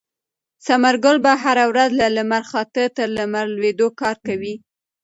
ثمرګل به هره ورځ له لمر خاته تر لمر لوېدو کار کوي.